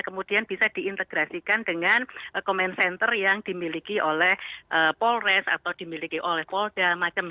kemudian bisa diintegrasikan dengan comment center yang dimiliki oleh polres atau dimiliki oleh polda